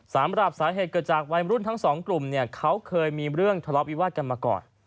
สำหรับสาเหตุเกิดจากวัยรุ่นทั้งสองกลุ่มเนี่ยเขาเคยมีเรื่องทะเลาะวิวาสกันมาก่อน